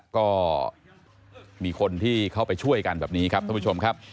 ก็มีคนที่เข้าไปช่วยกันแบบนี้ครับท่านผู้ชมครับ